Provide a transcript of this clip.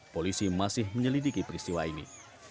polisi masih menyelidiki peristiwa ini